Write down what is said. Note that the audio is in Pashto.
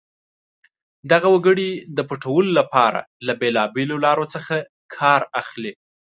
دغه وګړي د پټولو لپاره له بېلابېلو لارو څخه کار اخلي.